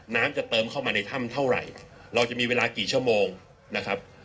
น้ำจะเติมเข้ามาในถ้ำเท่าไหร่เราจะมีเวลากี่ชั่วโมงนะครับ